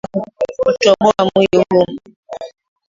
Kama maneno yangekuwa yanaweza kutoboa mwili huu